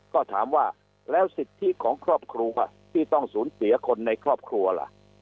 ก็ถามว่าแล้วสิทธิของครอบครัวที่ต้องสูญเสียคนในครอบครัวล่ะ